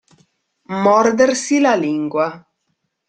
Mordersi la lingua.